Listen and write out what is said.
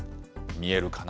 見えるかな？